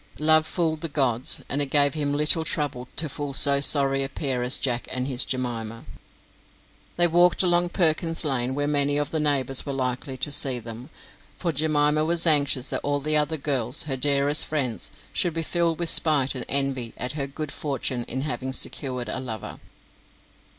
Love fooled the gods, and it gave him little trouble to fool so sorry a pair as Jack and his Jemima. They walked along Perkins' Lane where many of the neighbours were likely to see them, for Jemima was anxious that all the other girls, her dearest friends, should be filled with spite and envy at her good fortune in having secured a lover.